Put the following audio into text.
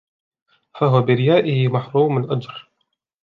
فَهُوَ بِرِيَائِهِ مَحْرُومُ الْأَجْرِ